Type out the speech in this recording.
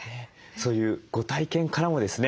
そういうご体験からもですね